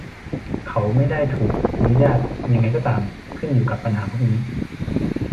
เขาไม่ได้ถูกอนุญาต ยังไงก็ตาม ขึ้นอยู่กับปัญหาพวกนี้